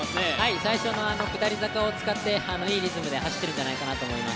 最初の下り坂を使っていいリズムで走っているんじゃないかと思います。